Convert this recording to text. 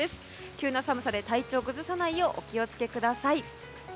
急な寒さで体調を崩さないようお気を付けください。